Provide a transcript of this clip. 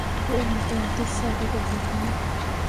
غیر متمرکز ساده دولتونه